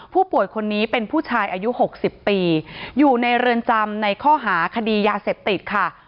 ผู้ป่วยคนนี้เป็นผู้ชายอายุ๖๐ปีอยู่ในเรือนจำในข้อหาคดียาเสพติดค่ะ